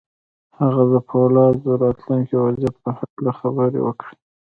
هغه د پولادو د راتلونکي وضعيت په هکله خبرې وکړې.